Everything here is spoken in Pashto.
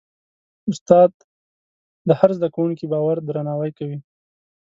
استاد د هر زده کوونکي باور درناوی کوي.